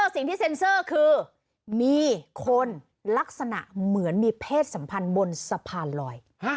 สิ่งที่เซ็นเซอร์คือมีคนลักษณะเหมือนมีเพศสัมพันธ์บนสะพานลอย